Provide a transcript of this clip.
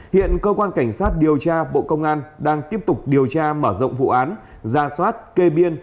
hiện cơ quan cảnh sát điều tra bộ công an đang tiếp tục điều tra mở rộng vụ án ra soát kê biên